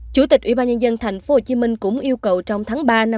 chủ tịch ubnd tp hcm cũng yêu cầu trong tháng ba năm hai nghìn hai mươi